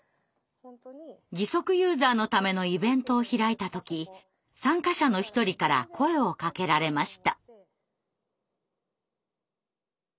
義足ユーザーのためのイベントを開いた時参加者の一人から声をかけられました。